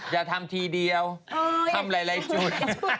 อย่าทำทีเดียวทำหลายจุด